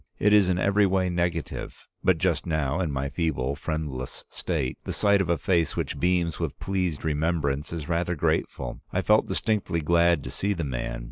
It is in every way negative. But just now, in my feeble, friendless state, the sight of a face which beams with pleased remembrance is rather grateful. I felt distinctly glad to see the man.